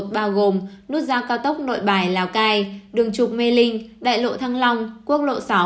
bao gồm nút giao cao tốc nội bài lào cai đường trục mê linh đại lộ thăng long quốc lộ sáu